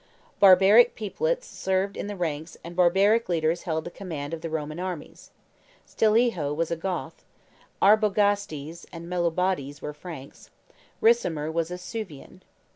Barbaric peoplets served in the ranks and barbaric leaders held the command of the Roman armies: Stilieho was a Goth; Arbogastes and Mellobaudes were Franks; Ricimer was a Suevian.